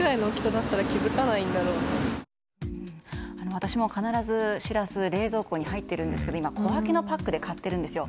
私も必ずシラス冷蔵庫に入っているんですけど小分けのパックで買っているんですよ。